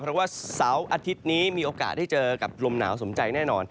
เพราะว่าเสาร์อาทิตย์นี้มีโอกาสได้เจอกับลมหนาวสมใจแน่นอน